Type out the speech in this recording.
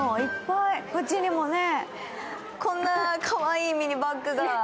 こっちにもね、こんなかわいいミニバッグが。